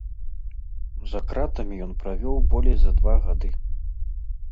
За кратамі ён правёў болей за два гады.